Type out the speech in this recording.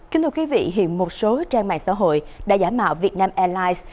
kính thưa quý vị hiện một số trang mạng xã hội đã giả mạo vietnam airlines